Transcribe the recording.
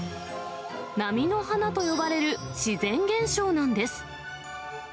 波の花と呼ばれる自然現象なんです。